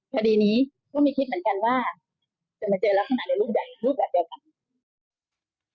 คดีนี้ก็ไม่คิดเหมือนกันว่าจะมาเจอลักษณะในรูปใดรูปแบบเดียวกัน